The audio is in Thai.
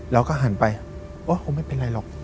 แล้วก็หันไปไม่เป็นไรหรอก